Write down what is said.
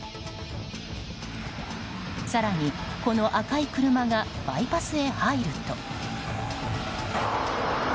更にこの赤い車がバイパスへ入ると。